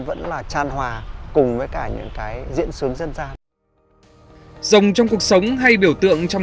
vẫn là tràn hòa cùng với cả những cái diễn xuống dân gian rồng trong cuộc sống hay biểu tượng trong